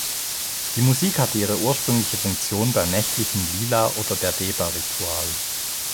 Die Musik hat ihre ursprüngliche Funktion beim nächtlichen "Lila-" oder "Derdeba-"Ritual.